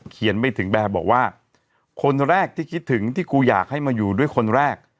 เขียนไม่ถึงแบบบอกว่าคนแรกที่คิดถึงที่กูอยากให้มาอยู่ด้วยคนแรก